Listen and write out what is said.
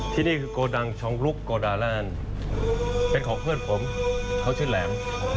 ที่นี่คือโกดังชองลุกโกดาแลนด์เป็นของเพื่อนผมเขาชื่อแหลม